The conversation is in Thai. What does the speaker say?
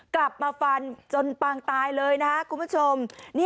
กลับมาฟันจนปางตายเลยนะครับคุณผู้ชม